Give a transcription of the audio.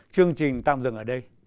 chương trình tạm dừng ở đây